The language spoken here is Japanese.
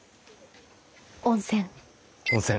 温泉。